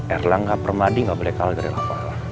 erlangga permadi ga boleh kalah dari novel